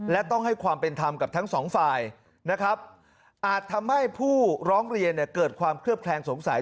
และต้องให้ความเป็นธรรมกับทั้งสองฝ่ายนะครับอาจทำให้ผู้ร้องเรียนเนี่ยเกิดความเคลือบแคลงสงสัย